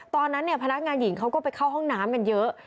ตอนนั้นพนักงานหญิงเขาก็ไปเข้าห้องน้ำกันเยอะ